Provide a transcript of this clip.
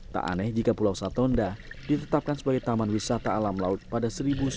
tak aneh jika pulau satonda ditetapkan sebagai taman wisata alam laut pada seribu sembilan ratus sembilan puluh